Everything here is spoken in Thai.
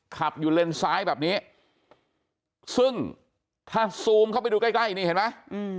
ขับอยู่เลนซ้ายแบบนี้ซึ่งถ้าซูมเข้าไปดูใกล้ใกล้นี่เห็นไหม